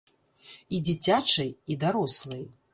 І дзіцячай, і дарослай.